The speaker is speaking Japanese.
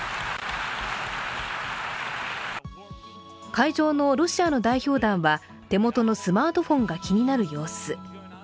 会場のロシアの代表団は手元のスマートフォンが気になる様子。